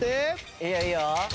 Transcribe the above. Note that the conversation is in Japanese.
いいよいいよ。